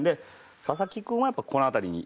佐々木君はやっぱこの辺りに。